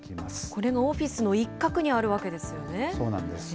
これがオフィスの一角にあるわけなんですよね。